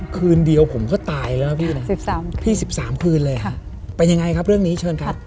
คืนเดียวผมก็ตายแล้วนะพี่นะพี่๑๓คืนเลยเป็นยังไงครับเรื่องนี้เชิญครับ